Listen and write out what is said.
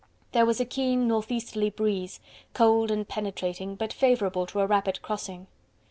There was a keen northeasterly breeze, cold and penetrating, but favourable to a rapid crossing.